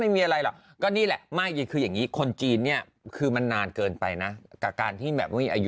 อะไรล่ะนี่แหละคนจีนนี่คือมันนานเกินไปนะกะการที่แบบมีอายุ